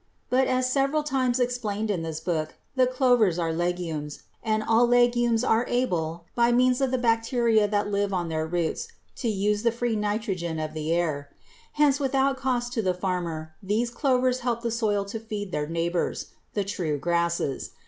But, as several times explained in this book, the clovers are legumes, and all legumes are able by means of the bacteria that live on their roots to use the free nitrogen of the air. Hence without cost to the farmer these clovers help the soil to feed their neighbors, the true grasses.